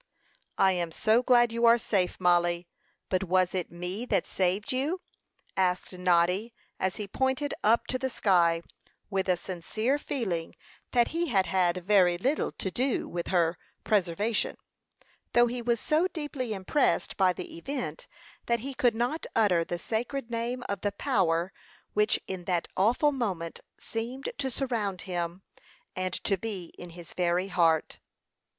"I am so glad you are safe, Mollie! But was it me that saved you?" asked Noddy, as he pointed up to the sky, with a sincere feeling that he had had very little to do with her preservation, though he was so deeply impressed by the event that he could not utter the sacred name of the Power which in that awful moment seemed to surround him, and to be in his very heart.